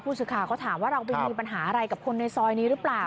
สื่อข่าวเขาถามว่าเราไปมีปัญหาอะไรกับคนในซอยนี้หรือเปล่า